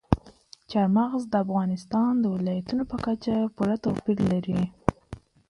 چار مغز د افغانستان د ولایاتو په کچه پوره توپیر لري.